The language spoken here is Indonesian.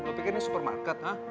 lo pikir ini supermarket hah